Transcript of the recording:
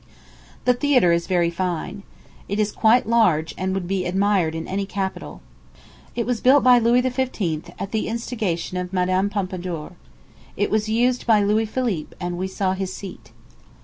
The Theatre is very fine. It is quite large, and would be admired in any capital. It was built by Louis XV., at the instance of Madame Pompadour. It was Used by Louis Philippe, and we saw his seat.